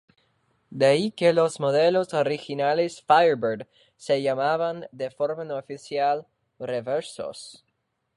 De ahí que los modelos originales Firebird se llamaban de forma no oficial "Reversos".